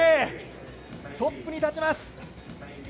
トップに立ちます。